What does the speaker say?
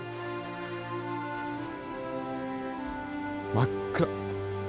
真っ暗！